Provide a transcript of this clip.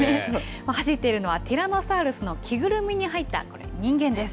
走っているのは、ティラノサウルスの着ぐるみに入った人間です。